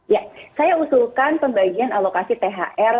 ya saya usulkan pembagian alokasi thr